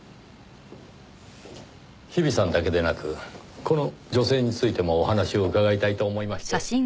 日比さんだけでなくこの女性についてもお話を伺いたいと思いまして。